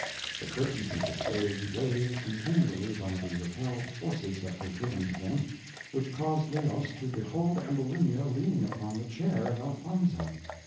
The curtains of the stage waved continually by the repelled forces that were given to them, which caused Leos to behold Ambulinia leaning upon the chair of Elfonzo.